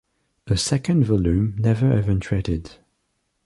A second volume never eventuated.